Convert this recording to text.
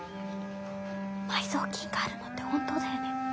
埋蔵金があるのって本当だよね？